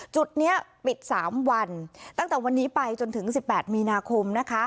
จุดนี้ปิด๓วันตั้งแต่วันนี้ไปจนถึง๑๘มีนาคมนะคะ